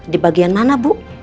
di bagian mana bu